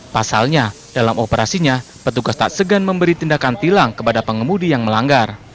pasalnya dalam operasinya petugas tak segan memberi tindakan tilang kepada pengemudi yang melanggar